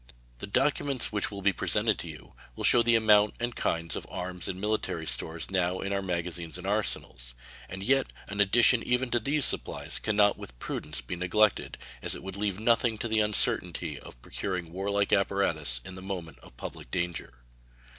The documents which will be presented to you will shew the amount and kinds of arms and military stores now in our magazines and arsenals; and yet an addition even to these supplies can not with prudence be neglected, as it would leave nothing to the uncertainty of procuring warlike apparatus in the moment of public danger.